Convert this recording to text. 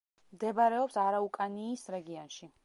მდებარეობს არაუკანიის რეგიონში.